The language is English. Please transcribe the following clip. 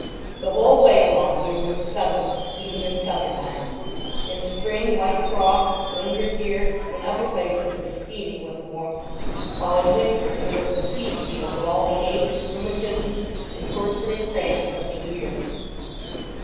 The whole way along here was sunless, even in summer time; in spring, white frosts lingered here when other places were steaming with warmth; while in winter it was the seed field of all the aches, rheumatisms, and torturing cramps of the year.